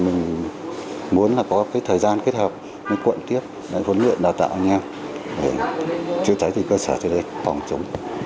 mình muốn có thời gian kết hợp quận tiếp huấn luyện đào tạo anh em để chữa cháy cơ sở ra đây phòng chống